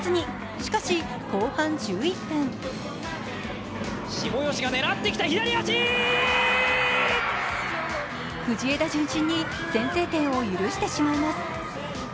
しかし後半１１分藤枝順心に先制点を許してしまいます。